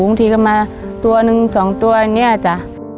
บางทีก็มาตัวหนึ่งสองตัวอย่างเนี่ยอ่ะจ๊ะ